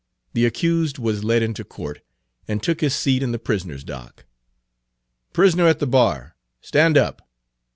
The accused was led into court, and took his seat in the prisoner's dock. "Prisoner at the bar, stand up."